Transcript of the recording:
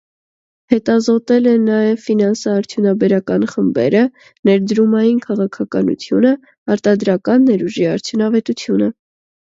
Հետազոտել է նաև ֆինանսաարդյունաբերական խմբերը, ներդրումային քաղաքականությունը, արտադրական ներուժի արդյունավետությունը։